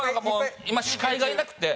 今司会がいなくて。